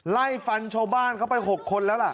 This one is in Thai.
ไล่ฟันชาวบ้านเข้าไป๖คนแล้วล่ะ